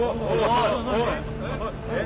えっ！？